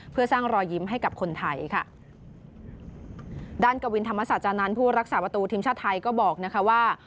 เพื่อสร้างรอยยิ้มให้กับคนไทยค่ะด้านกวินธรรมศาจานันทร์ผู้รักษาประตูทีมชาติไทยก็บอกนะคะว่า